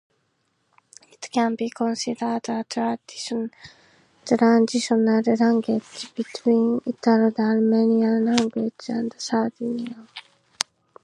It can be considered a transitional language between Italo-Dalmatian languages and Sardinian.